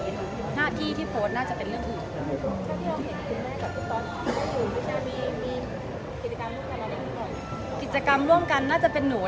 คือพี่มาดูตรอตก็ดีค่ะพี่ตรอตใส่ใจคุณแม่มากให้เกียรติคุณแม่ตลอดแล้วก็รวมมาถึงพวกหนูด้วย